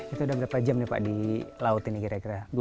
itu udah berapa jam nih pak di laut ini kira kira